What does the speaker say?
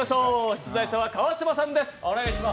出題者は川島さんです。